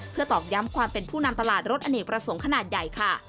เพื่อตอกย้ำความเป็นผู้นำตลาดรถอเนกประสงค์ขนาดใหญ่ค่ะ